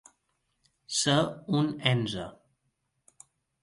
Ser un enze.